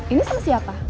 ini sama siapa